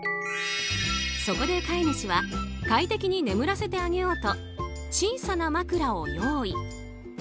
そこで、飼い主は快適に眠らせてあげようと小さな枕を用意。